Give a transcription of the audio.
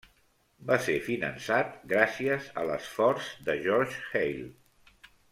Va ser finançat gràcies a l'esforç de George Hale.